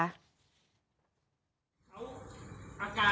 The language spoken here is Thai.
อยู่อย่างเฉย